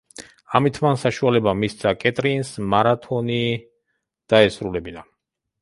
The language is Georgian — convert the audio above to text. ამით, მან საშუალება მისცა კეტრინს, მარათონი დაესრულებინა.